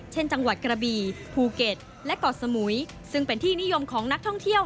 เช่นจังหวัดกระบี่ภูเก็ตและเกาะสมุยซึ่งเป็นที่นิยมของนักท่องเที่ยว